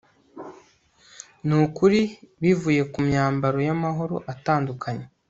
Nukuri bivuye kumyambaro yamahoro atandukanye